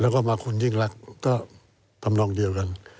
แล้วก็มาคุณยิ่งรักก็ทำนองเดียวกัน